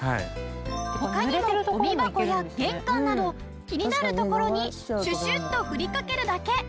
他にもゴミ箱や玄関など気になる所にシュシュッと振りかけるだけ。